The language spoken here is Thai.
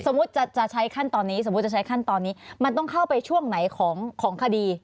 สมมุติจะใช้ขั้นตอนนี้มันต้องเข้าไปช่วงไหนของคดี